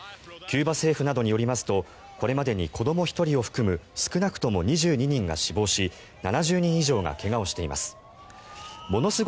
キューバ政府などによりますとこれまでに子ども１人を含む少なくとも２２人が死亡し７０人以上が怪我をしています。